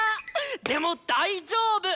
でも大丈夫！